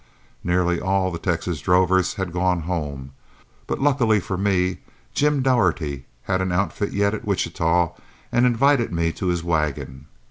Nearly all the Texas drovers had gone home, but, luckily for me, Jim Daugherty had an outfit yet at Wichita and invited me to his wagon.